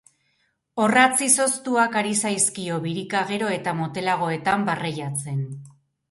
Orratz izoztuak ari zaizkio birika gero eta motelagoetan barreiatzen.